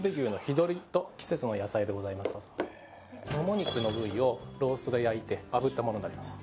モモ肉の部位をローストで焼いてあぶったものになります。